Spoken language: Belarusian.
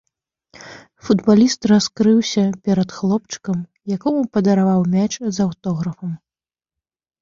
Футбаліст раскрыўся перад хлопчыкам, якому падараваў мяч з аўтографам.